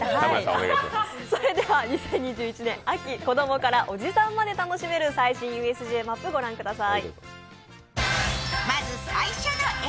それでは２０２１年秋子供からオジさんまで楽しめる最新ＵＳＪマップ御覧ください。